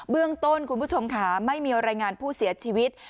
เรื่องต้นคุณผู้ชมค่ะไม่มีรายงานผู้เสียชีวิต